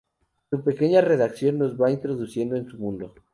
Su pequeña redacción nos va introduciendo en su mundo.